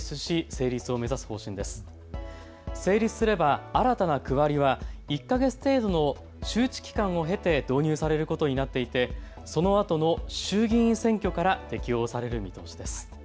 成立すれば新たな区割りは１か月程度の周知期間を経て導入されることになっていて、そのあとの衆議院選挙から適用される見通しです。